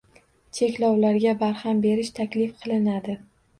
Cheklovlarga barham berish taklif qilinadi.